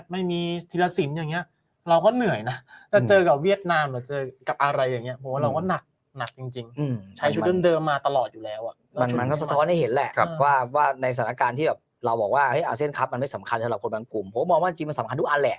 ไม่มีธีรษศิลป์อย่างนี้เราก็เหนื่อยนะแล้วเจอกับเวียดนามเจอกับอะไรอย่างเนี้ยโหเราก็หนักหนักจริงจริง